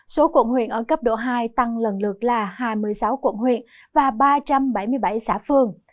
số quận huyện ở cấp độ hai tăng lần lượt là hai mươi sáu quận huyện và ba trăm bảy mươi bảy xã phường